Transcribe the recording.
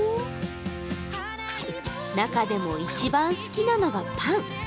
中でも一番好きなのがパン。